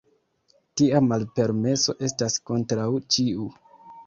Tia malpermeso estas kontraŭ ĉiu.